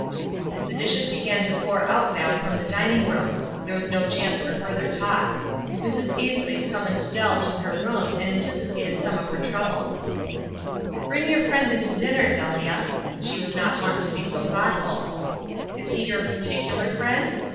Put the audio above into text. The dishes began to pour out now from the dining room ; there was no chance for further talk. Mrs. Ainslie summoned Dell to her room, and anticipated some of her troubles. WISE AND OTHERWISE. 357 w Bring your friend in to dinner, Delia." She was not wont to be so thoughtful. rf Is he your particular friend?"